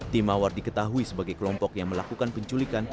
tim mawar diketahui sebagai kelompok yang melakukan penculikan